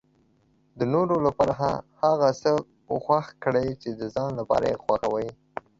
د نورو لپاره هغه څه خوښ کړئ چې د ځان لپاره یې خوښوي.